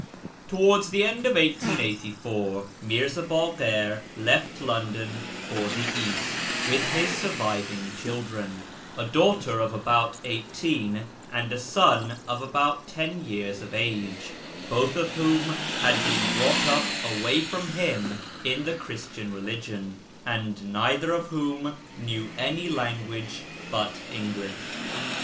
Towards the end of 1884 Mirza Bakir left London for the East with his surviving children, a daughter of about eighteen and a son of about ten years of age, both of whom had been brought up away from him in the Christian religion, and neither of whom knew any language but English.